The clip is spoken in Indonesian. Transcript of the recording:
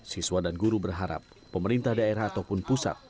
siswa dan guru berharap pemerintah daerah ataupun pusat